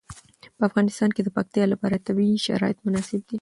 په افغانستان کې د پکتیا لپاره طبیعي شرایط مناسب دي.